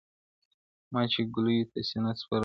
ما چي ګولیو ته سینه سپرول-